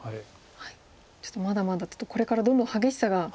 ちょっとまだまだこれからどんどん激しさが。